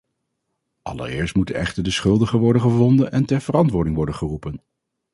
Allereerst moeten echter de schuldigen worden gevonden en ter verantwoording worden geroepen.